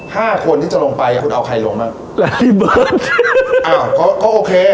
ห้าคนที่จะลงไปคุณเอาใครลงมาแรลรี่เบิร์สอ้าวก็ก็โอเค